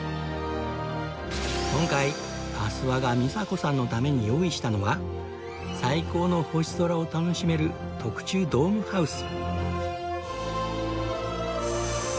今回阿諏訪が美佐子さんのために用意したのは最高の星空を楽しめる特注ドームハウス